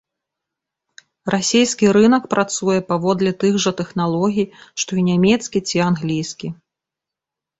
Расійскі рынак працуе паводле тых жа тэхналогій, што і нямецкі ці англійскі.